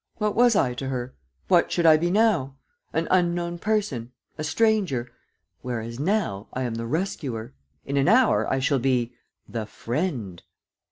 What was I to her? What should I be now? An unknown person ... a stranger. Whereas now I am the rescuer. In an hour I shall be ... the friend."